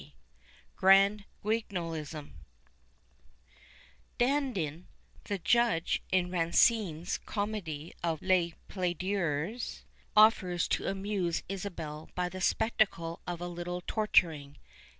182 GRAND GUIGNOLISM Dandik, the judge in Racine's comedy of Les Flaideurs, offers to amuse Isabelle by the spectacle of a httlo torturing.